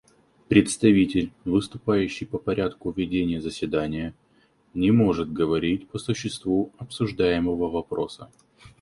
Представитель, выступающий по порядку ведения заседания, не может говорить по существу обсуждаемого вопроса.